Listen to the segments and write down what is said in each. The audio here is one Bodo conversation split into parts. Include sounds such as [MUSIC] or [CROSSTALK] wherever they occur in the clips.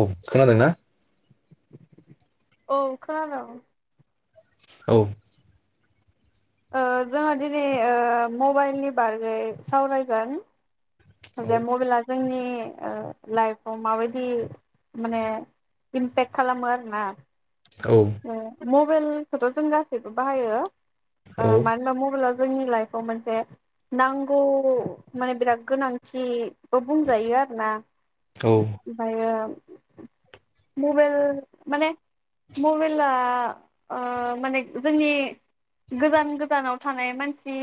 औ खोनादोंना? औ खोनादों। औ। ओ जोङो दिनै ओ मबाइलनि बागै सावरायगोन। बे मबाइला जोंनि ओ लाइफआव माबायदि माने इमपेक्ट खालामो आरोना। औ माने मबेल खौथ' जों गासैबो बाहायो। ओ औ मानो होनोबा मबेला जोंनि लाइफआव मोनसे नांगौ माने बिराद गोनांथि। बुंजायो आरो ना ओमफायो मबेल माने मबेला ओ माने जोंनि गोजान गोजानाव थानाय मानसि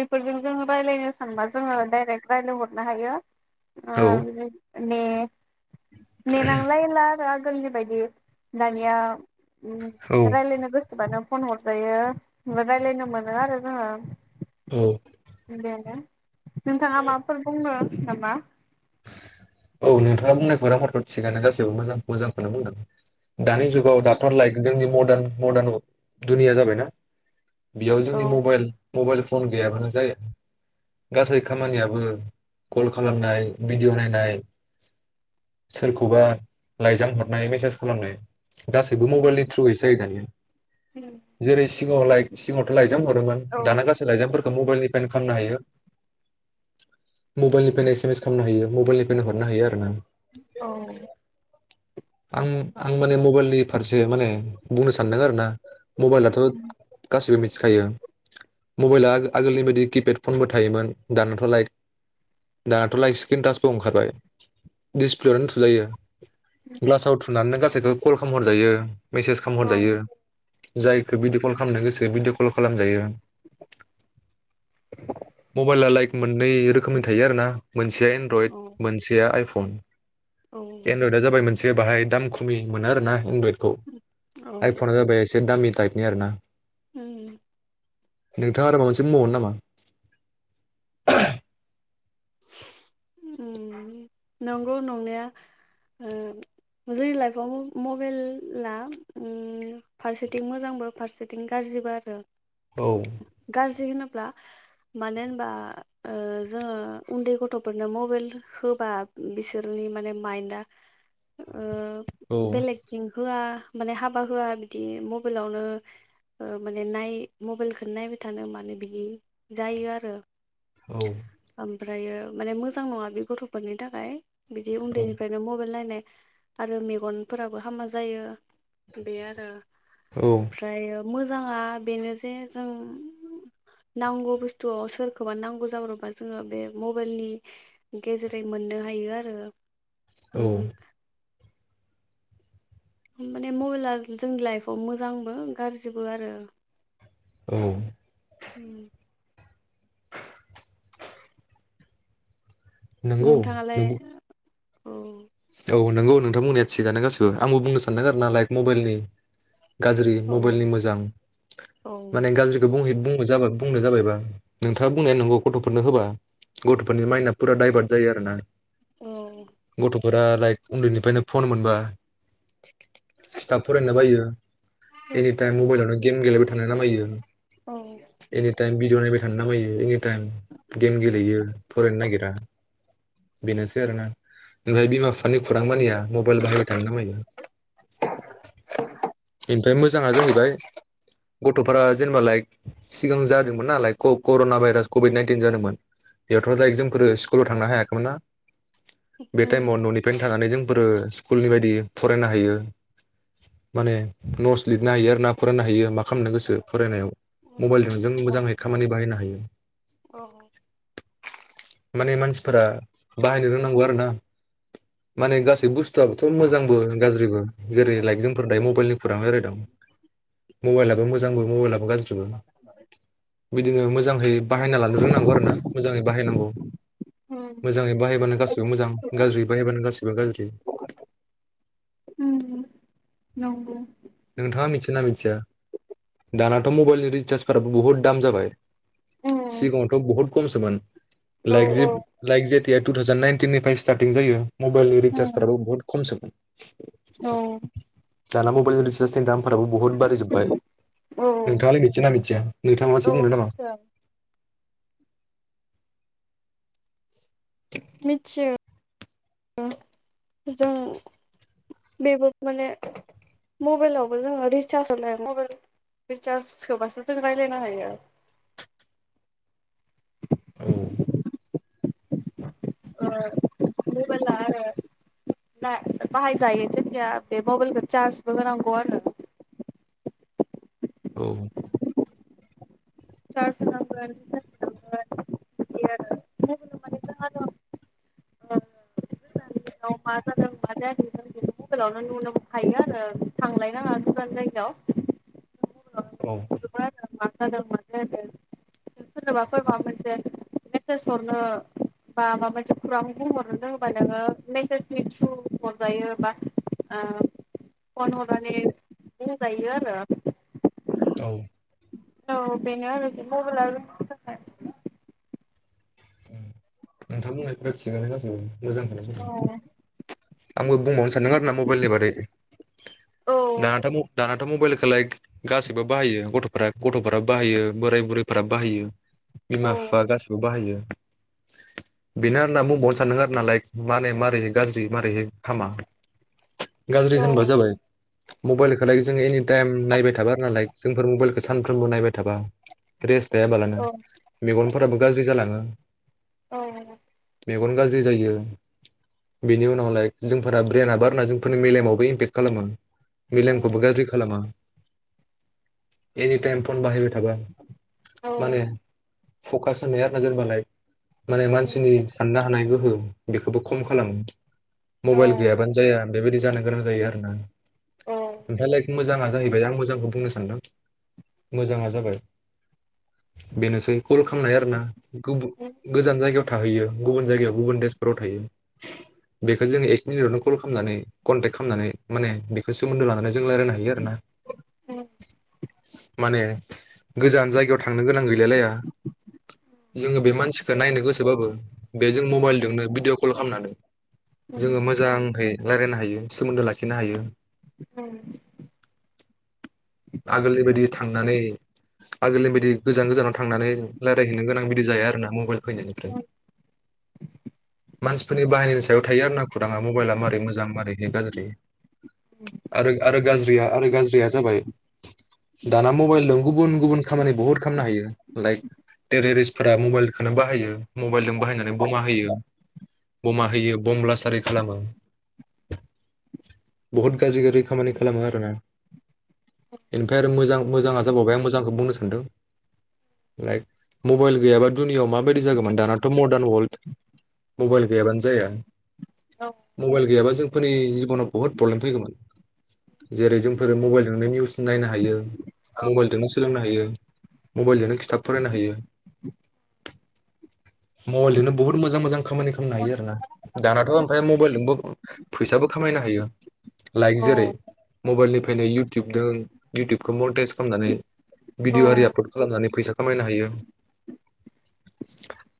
बेफोरजों जोङो रायलायनो सानबा जोङो डाइरेक्ट रायलायहरनो हायो। ओ औ बे माने नेनांलायला आरो आजि जोंनि बायदि दानिया उम रायलायनो गोसोबानो फन हरजायो रायलायनो मोनो आरो जोङो। औ। [UNINTELLIGIBLE] नोंथाङा माफोर बुंनो। हामा। औ नोंथाङा बुंनायफोराथ' थिगानो गासैबो मोजां मोजांखौनो बुंदों। दानि जुगाव दाथ' लाइक जोंनि म मदान मदार्न दुनिया जाबायना। बेयाव औ जोंनि मबेल मबेल। कल गैयाबानो जाया गासै खामानियाबो कल खालामनाय। भिडिअ नायनाय सोरखौबा लाइजाम हरनाय मेसेज खालामनाय। गासैबो मबेलनि थ्रुयैसै जायो दा बियो, जेरै सिगांआव लाय सिङावथ' लाइजाम हरोमोन औ दाना गासै लाइजामफोरखौ मबेलनि। पेन खालामनो हायो मबेलनिफ्रायनो एसेमेस खालामनो हायो मबाइलनिफ्रायनो हरनो हायो आरो ना, औ आं आं माने मबाइलनि फारसे माने बुंनो सानदों आरो ना, मबाइलाथ' गासिबो मि मिथिखायो मबाइला आगोलनि बायदि किपेड फनबो थायोमोन दानाथ' लाइक दा थ लाइक सिख्रिम टासबो ओंखारबाय दिसिप्लेयावनो थुजायो, ग्लासाव थुनानैनो गासै, ओ कल खालाम हरजायो, मेसेज खालामहर जायो, जायखौ भिडिअ कल खालामनो गोसो भिडिअ कल खालामजायो मबाइला लाइक मोननै रोखोमनि थायो आरो ना, मोनसेया एनड्रइड मोनसेया आइफ उन औ एनड्रइड जाबाय मोनसे, दे बाहाय दाम खमि मोनो आरोना एनड्रइड, खौ औ आइफना जाबाय एसे दामि टाइपनि आरो ना। उम नोंथाङा आरो माबा मोनसे बुंबावगोन नामा? उम नंगौ नंनाया ओ जोंनि लाइफआव मबाइआ उम फारसेथिं मोजांबो फारसेथिं गाज्रिबो आरो औ गाज्रि होनोब्ला मानो होनबा ओ जोङो उन्दै गथफोरनो मबेल होबा बिसोरनि माने माइन्दआ ओ औ बेलेगथिं होआ माने हाबा होआ बिदि मबाइलावनो माने नाय मबाइलखौनो नायबाय थानो मानो बिदि जायो आरो औ। ओमफ्रायो माने मोजां नङा बे गथ'फोरनि थाखाय। बिदि उन्दैनिफ्रायनो मबाइल नायनाय आरो मेगनफोराबो हामा जायो। बे आरो औ ओमफ्रायो मोजाङा बेनो जे जों नांगौ बुस्थुआव सोरखौबा नांगौ जाब्रबा जोङो बे मबाइलनि गेजेरै मोननो हायो आरो ओं माने मबाइला जोंनि लाइफआव मोजांबो गाज्रिबो आरो। औ उम नोंथाङालाय नोंगौ-नोंगौ। औ औ नंगौ नोंथां होन्नाया थिगानो गासिबो आंबो बुंनो सानदों आरो ना लाइक मबाइलनि गाज्रि औ मबाइलनि मोजां औ माने गाज्रिखौ बुंहै बुं। जाबा बुंनो जाबायबा नोंथाङा बुंनाया नोंगौ गथफोरनो होबा गथफोरनि माइन्दआ फुरा दाइभार्ट जायो आरो ना। औ। फोरा लाइक उन्दैनिफ्रायनो फन मोनबा खिथाफ फरायनो बायो एनिटाइम मबाइलावनो गेम गेलेबाय थानाय नामायो औ एनिटाइम भिडिअ' नायबाय थानो नामायो। टाइम गेम गेलेयो फरायनो नागिरा। बेनोसै आरोना। ओमफ्राय बिमा। बिफानि खौरां मानिया मबाइल बाहायबाय थानो ना मायो इमफ्राय मोजाङा जाहैबाय गुद। गथफोरा जेनेबा लाइक सिगां जादोंमोन नालाय क करना भाइरास कभिड नाइनटिन जादोंमोन। बेयावथ दा जोंफोर स्कुलाव थांनो हाखैमोन ना। बे टाइमाव उम ननिफ्रायनो थानानै जों ओ स्कुलनि बायदि फरायनो हायो माने नस लिरनो हायो आरो ना फरायनो हायो मा खालामनो गोसो फरायनायाव मबाइलजों जों औ मोजां खामानि बाहायनो हायो औ माने मानसि फोरा बाहायनो रोंनांगौ आरो ना। माने गासै बुस बुस्थुआथ मोजांबो गाज्रिबो जेरै लाइकजोंफोर दायो मबाइलनि खुरां रायलायदों मबाइलाबो जोंबो मबाइलाबो गाज्रिबो बिदिनो मोजाङै बाहायना लानो रोंनांगौ आरो ना मोजाङै बाहायनांगौ उम मोजाङै बाहायबानो गासिबो मोजां। गाज्रिबा बाहायबानो गासिबो गाज्रि। उम नंगौ नोंथाङा मिथियोना मिथिया दानाथ मबाइलनि रिसार्जफोराबो बुहुत दाम जाबाय। औ सिगङथ बुहुत खमसोमोन। औ लायकजेत लायकजेत। दै टु थावजेन नाइनटिननिफ्राय सिथारथिं जायो। मबाइलनि रिसार्जफोराबो औ बहुत खमसोमोन। औ। दाना‌ मबाइलनि रिसार्ज दामफोराबो बहुत बाराय जोब्बाय औ नोंथाङालाय मिथिना मिथिया नोंथाङा एसे औ बुंदों नामा? मिथियो मिथियो जों बेबो माने मबाइलावबो जोङो रिसार्ज हाया मबाइल रिसार्ज होबासो जों राय्लायनो हायो। औ। ओ मबाइला आरो ला बाहायजायो जेखया बे मबाइलखौ चार्जबो होनांगौ आरो औ। सारस होनांगोन नामबार नामब मान [UNINTELLIGIBLE] मा जादों मा जायाखै जों बेखौ मबाइलावनो नुनो मोनखायो आरो थांलायनाङा गोजान जायगायाव। मबाइलावनो माने औ। नुजोबो आरो मा जादों मा जायाखै सोरनोबाफोर माबा मोनसे मेसेज हरनो बा माबा मोनसे खुरां बुंहरनो दङबा नोङो मेसेजनि थ्रु हरजायो बा ओ फन हरनानै बुंजायो आरो औ। औ बेनो आरो मबाइला [UNINTELLIGIBLE] नोंथां बुंनायफोरा थिगानो गासैबो। मोजांखौनो [UNINTELLIGIBLE] आंबो बुंबावनो सानदों आरोना मबाइलनि बारै औ दाथ म दा थ मबाइलखोलाय गासिबो बाहायो गथ'फोरा गथ'फोराबो बाहायो बोराय बुरैफोरा बाहायो। औ बिमा फिफा गासिबो बाहायो बेना होना बुंबावनो सानदों आरो ना लाइक माने मारै गाज्रि मारैहाय हामा गाज्रि औ होनबा जाबाय मबाइल खोलाय जों एनि टाइम नायबाय थाबा आरोना लायक जोंफोर मबाइलखौ सानफ्रोमबो नायबाय थाबा रेस्ट थायाबालानो उम मेगन फोराबो गाज्रि जालाङो औ मेगन गाज्रि जायो बिनि उन [UNINTELLIGIBLE] लाइक जोंफोरा ब्रेनाबो आरोना जोंफोरनि मेलेमावबो इमपेक्ट खालामो मिलोनखौबो गाज्रि खालामा एनि टाइम फन बाहाय थाबा माने फकास साननाया नोगोर बालाय माने मानसिनि सानना हानाय गोहो बेखौबो खम खालाम मबाइल गैयाबानो जाया बेबायदि जानो गोनां जायो आरोना औ उम ओमफ्राय लाइक मोजाङा जाहैबाय आं मोजांखौ बुंनो सानदों मोजाङा जाबाय बेनोसै कल खालनाय आरो ना। गुबु गोजान जायगायाव थाहैयो गुबुन जायगायाव गुबुन देशफोराव थायो बेखो जों एक मिनिट आवनो कल खालामनानै कनटेक्ट खालामनानै माने बेखो सोमोन्दो लानानै जों रायलायनो हायो आरो ना [INAUDIBLE] माने गोजान जायगायाव थांनो गोनां गैलाय लाया जोंङो बे मानसिखो नायनो गोसोबाबो बेजों मबाइलजोंनो भिडिअ कल खालामनानै उम जोङो मोजांखै रायलायनो हायो सोमोन्दो लाखिनो हायो [UNINTELLIGIBLE] आगोलनि बायदि थांनानै आगोलनि बायदि गोजान गोजानाव थांनानै रायलायहैनो गोनां बिदि जाया आरो ना मबेल फैनायनिफ्राय उम मानसिफोरनि बाहायनायनिस थायाव थायो आरो ना खुदाङा मबाइला मारै मोजां मारैहाय गाज्रि आरो आरो गाज्रिया आरो गाज्रिया जाबाय दाना मबाइलदों गुबुन गुबुन खामानि बुहुत खालामनो हायो लाइक टेरेरिस्टफोरा मबाइलखौनो बाहायो मबाइलदों बाहायनानै बमा होयो बमा होयो। बम ब्लास आरि खालामो बुहुत गाज्रि गाज्रि खामानि खालामो आरोना इनिफ्राय आरो मोजां मोजाङा जाबावबाय आं मोजांखौ बुंनो सानदों लाइक मबाइल गैयाबा दुनियाव माबायदि जागौमोन दानाथ मदार्न वर्ल्ड मबाइल गैयाबानो जाया। औ मबाइल गैयाबा जों फोरनि जिबनाव बुहुत प्रब्लेम फैगौमोन जेरै जोंफोर मबेलजोंनो निउस नायनो हायो। मबेलदोंनो सोलोंनो हायो। मबेलजोंनो खिथाब फरायनो हायो मबेलजोंनो बहुत मोजां मोजां खामानि खामनो हायो आरो ना? दानाथ औ ओमफाय मबेलदोंबो फैसाबो खामायनो हायो लाइक जेरै मबेलनिफ्रायनो इयउटुबदों इउटुबखौ मनेटाइस खामनानै। भिडिअ आरि आपलड खालामनानै फैसा खामायनो हायो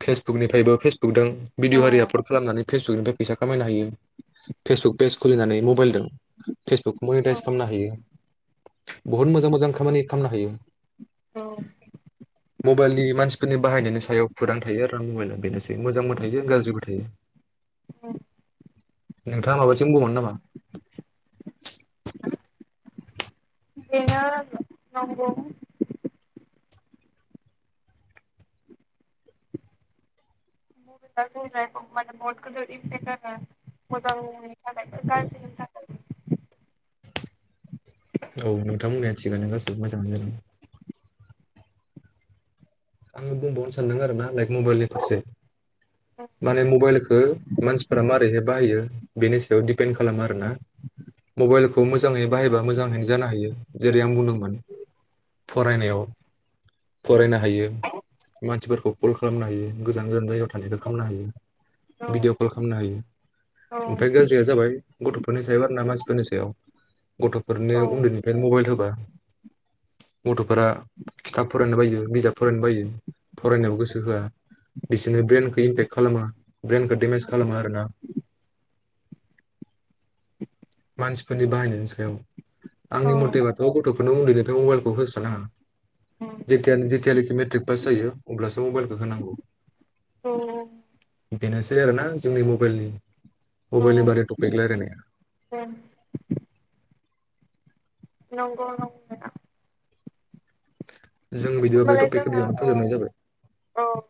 फेसबुक निफ्रायबो फेस नुदों औ भिडिअ आरि आपरट खालामनानै फेसबुकनिफ्राय फैसा खामायनो हायो फेसबुक पेज खुलिनानै मबेलदों। फेसबुकखौ मनेटाइस खामनो हायो। बहुत मोजां मोजां खामानि खामनो हायो औ मबेलनि मानसिफोरनि बाहायनायनि सायाव फोदां थायो आरो मबेला बेनोसै मोजांबो थायो गाज्रिबो थायो। औ नोंथाङा माबासिम बुंबावगोन नामा? बेनो नंगौ [UNINTELLIGIBLE] मोजांनि थाखायबो गारजिनि थाखायबो औ नोंथां बुंनाया थिगानो गासिबो मोजाङानो जादों। आङो बुंबावनो सानदों आरो ना लाइक मबेलनि फारसे माने मबेलखो मानसिफोरा माबारैहाय बाहायो बेनि सायाव दिपेन्ड खालामो आरोना मबेलखौ मोजाङै बाहायबा मोजांहैनो जानो हायो जेरै आं बुंदोंमोन फरायनायाव फरायनो हायो। मानसिफोरखौ कल खालामनो हायो गोजान गोजान जायगायाव थानायखौ खामनो हायो औ भिडिअ कल खामनो हायो औ ओमफाय गाज्रिया जाबाय गथफोरनि सायाव आरोना मानसिफोरनि सायाव गथफोरनो औ उन्दैनिफ्राय मबेल होबा गथफोरा खिथाब फरायनो बायो बिजाब फरायनो बायो फरायनायाव गोसो होआ बिसोरनो ब्रेनखौ इमपेक्ट खालामा ब्रेनखौ डेमेज खालामो आरोना मानसिफोरनि बाहायनायनि सायाव आंनि औ मथेबाथ गथफोरनो उन्दैनिफ्राय मबेलखौ होस्रा नाङा जितियान जितियानोखि मेट्रिक पास जायो अब्लासो मबाइलखौ होनांगौ औ बेनोसै आरोना जोंनि मबेलनि मबेलनि बारै टपिक लायराय नाया। औ नंगौ नंनाया जों बिदिबा बे होमबालाय टपिकखौ जोङो बेयावनो फोजोबनाय औ जाबाय। औ